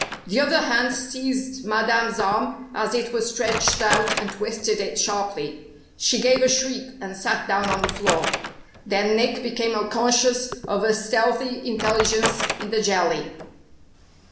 The other hand seized Madame's arm as it was stretched out, and twisted it sharply. She gave a shriek, and sat down on the floor. Then Nick became conscious of a stealthy intelligence in the jelly.